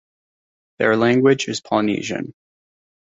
Their language is Polynesian.